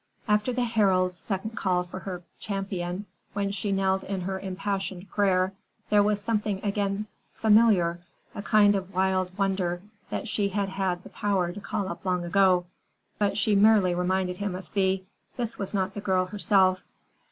After the Herald's second call for her champion, when she knelt in her impassioned prayer, there was again something familiar, a kind of wild wonder that she had had the power to call up long ago. But she merely reminded him of Thea; this was not the girl herself.